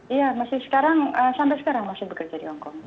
iya masih sekarang sampai sekarang masih bekerja di hongkong